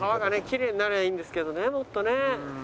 キレイになればいいんですけどねもっとね。